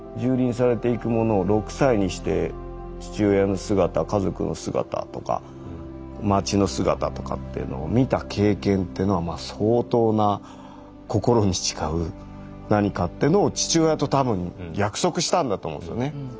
蹂躙されていくものを６歳にして父親の姿家族の姿とか街の姿とかっていうのを見た経験っていうのは相当な心に誓う何かっていうのを父親と多分約束したんだと思うんですよね。